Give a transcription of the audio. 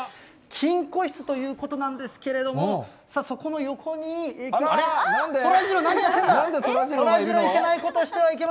金庫室ということなんですけれども、さあ、そこの横に行くと。